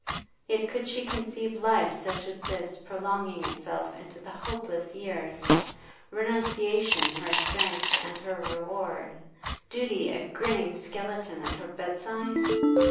Yet could she conceive life such as this prolonging itself into the hopeless years, renunciation her strength and her reward, duty a grinning skeleton at her bedside?